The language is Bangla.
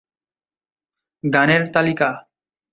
গানের তালিকা